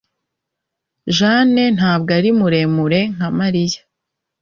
Jane ntabwo ari muremure nka Mariya